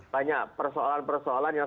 banyak persoalan persoalan yang